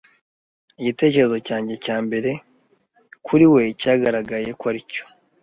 Igitekerezo cyanjye cya mbere kuri we cyagaragaye ko ari cyo.